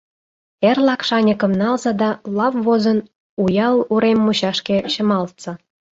Эрлак шаньыкым налза да, лап возын, Уял урем мучашке чымалтса.